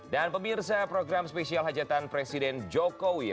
dan pemirsa program spesial hajatan presiden jokowi